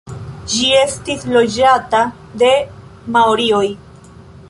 Ĝi estis loĝata de maorioj.